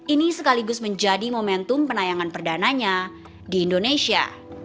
ini sekaligus menjadi momentum penayangan perdananya di indonesia